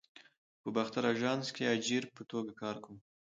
په باختر آژانس کې اجیر په توګه کار کاوه.